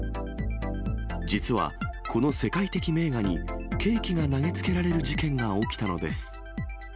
実は、この世界的名画にケーキが投げつけられる事件が起きたのです。